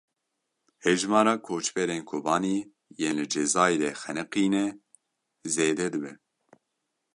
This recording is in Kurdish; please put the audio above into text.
Hejmara koçberên Kobanî yên li Cezayirê xeniqîne zêde dibe.